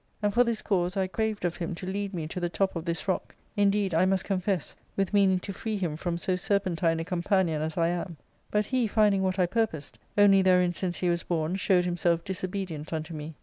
And for this cause I craved of him to lead me to the top of this rock ; indeed, I must / confess, with meaning to free him from so serpentine a com panion as I am. But he finding what I purposed, only therein since he was born showed himself disobedient unto me.